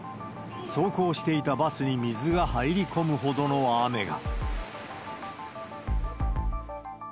走行していたバスに水が入り込むほどの雨が。